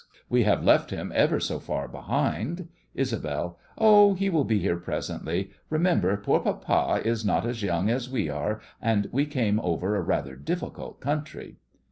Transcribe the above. We have left him ever so far behind. ISABEL: Oh, he will be here presently! Remember poor Papa is not as young as we are, and we came over a rather difficult country.